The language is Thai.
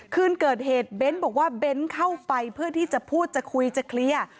คืนเกิดเหตุเบ้นบอกว่าเบ้นเข้าไปเพื่อที่จะพูดจะคุยจะเคลียร์